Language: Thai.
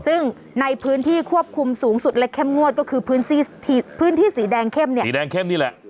ซึ่งในพื้นที่ควบคุมสูงสุดและเข้มงวดก็คือพื้นที่สีแดงเข้มเนี่ย